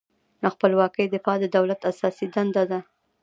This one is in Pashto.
له خپلواکۍ دفاع د دولت اساسي دنده ده.